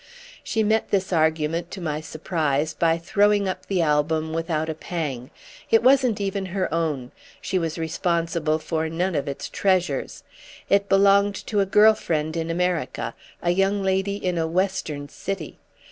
She met this argument, to my surprise, by throwing up the album without a pang. It wasn't even her own; she was responsible for none of its treasures. It belonged to a girl friend in America, a young lady in a western city.